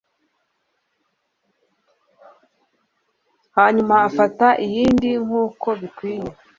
hanyuma afata iyindi, nkuko bikwiye